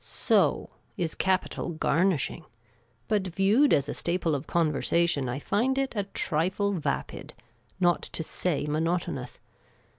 " So " is capital garnishing ; but viewed as a staple of conversation, I find it a trifle vapid, not to say monotonous.